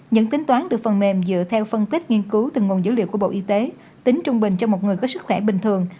những tính toán được phần mềm dựa theo phân tích nghiên cứu từ nguồn dữ liệu của bộ y tế tính trung bình cho một người có sức khỏe bình thường